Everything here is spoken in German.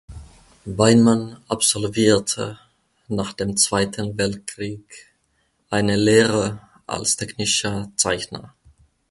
Weinmann absolvierte nach dem Zweiten Weltkrieg eine Lehre als Technischer Zeichner.